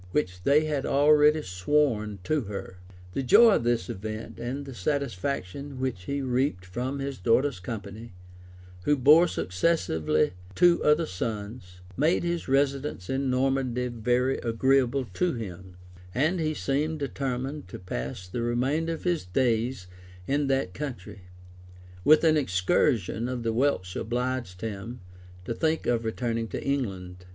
} which they had already sworn to her.[*] The joy of this event, and the satisfaction which he reaped from his daughter's company, who bore successively two other sons, made his residence in Normandy very agreeable to him;[] and he seemed determined to pass the remainder of his days in that country, when an incursion of the Welsh obliged him to think of returning into England.